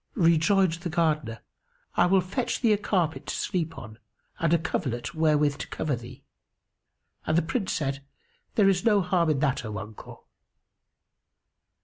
Rejoined the Gardener, "I will fetch thee a carpet to sleep on and a coverlet wherewith to cover thee;" and the Prince said, "There is no harm in that, O uncle."